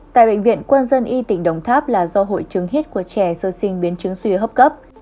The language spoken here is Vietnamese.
tại bệnh viện quân dân y tỉnh đồng tháp là do hội chứng hít của trẻ sơ sinh biến chứng suy hấp cấp